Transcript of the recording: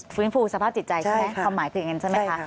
ฟื้นฟูสภาพจิตใจใช่ไหมความหมายคืออย่างนั้นใช่ไหมคะ